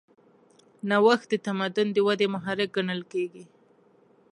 نوښت د تمدن د ودې محرک ګڼل کېږي.